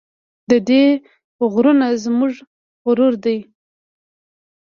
د دې غرونه زموږ غرور دی